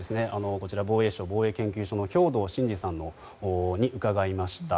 こちら防衛省防衛研究所の兵頭慎治さんに伺いました。